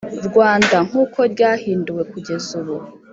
Rwanda nk uko ryahinduwe kugeza ubu